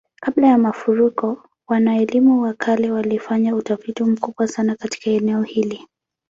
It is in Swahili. Kabla ya mafuriko, wana-elimu wa kale walifanya utafiti mkubwa sana katika eneo hili.